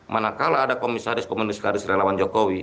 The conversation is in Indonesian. manakala ada komisaris komunis karis relawan jokowi